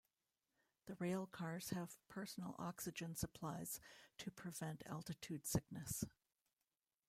The rail cars have personal oxygen supplies to prevent altitude sickness.